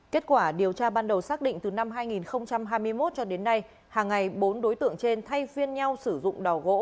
kết quả điều tra ban đầu xác định từ năm hai nghìn hai mươi một cho đến nay hàng ngày bốn đối tượng trên thay phiên nhau sử dụng đào gỗ